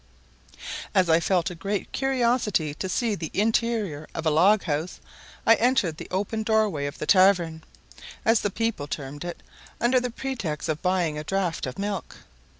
As I felt a great curiosity to see the interior of a log house, I entered the open door way of the tavern, as the people termed it, under the pretext of buying a draught of milk.